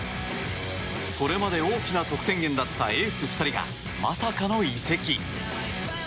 これまで大きな得点源だったエース２人がまさかの移籍。